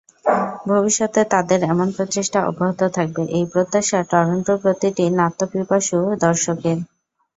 ভবিষ্যতে তাদের এমন প্রচেষ্টা অব্যহত থাকবে—এই প্রত্যাশা টরন্টোর প্রতিটি নাট্য পিপাসু দর্শকের।